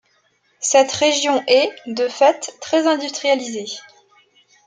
Cette région est, de fait, très industrialisée.